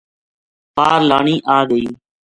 پار لانی آ گئی